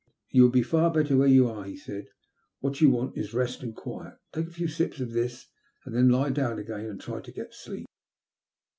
•* You will be far better where you are," he said. " What you want is rest and quiet. Take a few sips of this, and then lie down again and try to get to sleep.